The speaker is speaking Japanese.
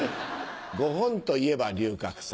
ゴホン！といえば龍角散。